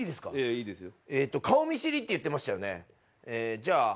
いいですよ。